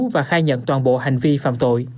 và khai nhận toàn bộ hành vi phạm tội